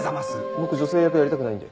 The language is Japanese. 僕女性役やりたくないんで。